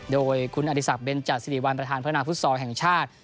โดยคุณอดีศัพท์เบนจัดสิริวันประธานพรรณาภูมิสวรรค์แห่งชาติ